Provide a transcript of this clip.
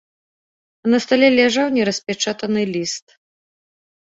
На стале ляжаў нераспячатаны ліст.